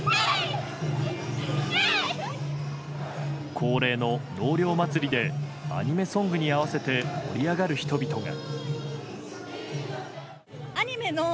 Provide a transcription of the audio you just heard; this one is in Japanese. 恒例の納涼祭りでアニメソングに合わせて盛り上がる人々が。